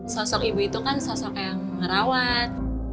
sosok ibu itu kan sosok yang ngerawat